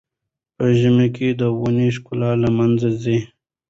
په ژمي کې د ونو ښکلا له منځه ځي.